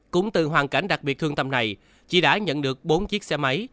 cũng từ hoàn cảnh đặc biệt thương tâm này chị đã nhận được bốn chiếc xe máy